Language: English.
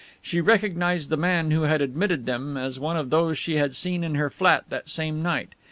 She recognized the man who had admitted them as one of those she had seen in her flat that same night.